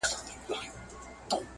مخکي مې د تسنیم صاحب